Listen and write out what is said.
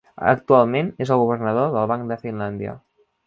Actualment és el governador del Banc de Finlàndia.